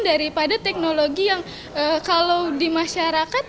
daripada teknologi yang kalau di masyarakat